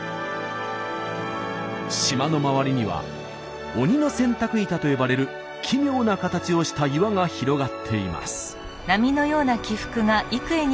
島の周りには「鬼の洗濯板」と呼ばれる奇妙な形をした岩が広がっています。